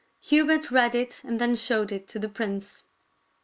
Hubert read it and then showed it to the prince.